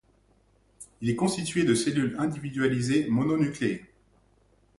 Il est constitué de cellules individualisées mononucléées.